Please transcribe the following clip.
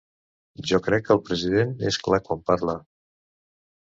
Jo crec que el president és clar quan parla.